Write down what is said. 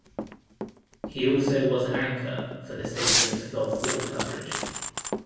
He also was an anchor for the station's Gulf War coverage.